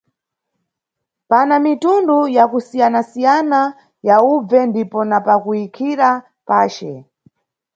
Pana mitundu ya kusiyanasiyana ya ubve ndipo na pakuyikhira pace.